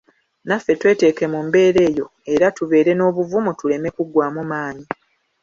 Naffe tweteeke mu mbeera eyo era tubeere n'obuvumu tuleme kuggwaamu maanyi.